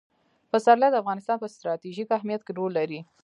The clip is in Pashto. پسرلی د افغانستان په ستراتیژیک اهمیت کې رول لري.